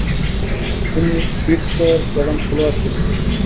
তিনি ফিটজরয়ের প্রধান খেলোয়াড় ছিলেন।